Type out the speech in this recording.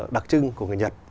đặc trưng của người nhật